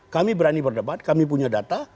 kami berani berdebat kami punya data